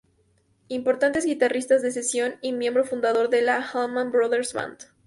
Importante guitarrista de sesión y miembro fundador de The Allman Brothers Band.